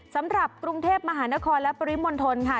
สำหรับกรุงเทพมหานครและปริมณฑลค่ะ